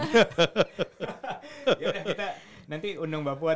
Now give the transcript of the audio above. yaudah kita nanti undang bapuan